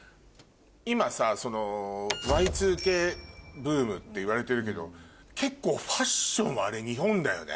今さＹ２Ｋブームっていわれてるけど結構ファッションはあれ日本だよね？